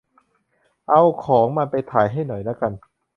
เอา ของมันไปถ่ายให้หน่อยละกัน